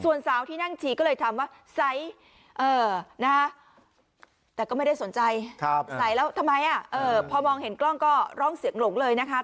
ส่วนสาวที่นั่งชีก็เลยทำว่า